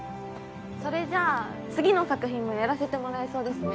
それじゃあ次の作品もやらせてもらえそうですね。